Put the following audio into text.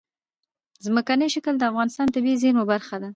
ځمکنی شکل د افغانستان د طبیعي زیرمو برخه ده.